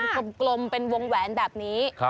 กลมเป็นวงแหวนแบบนี้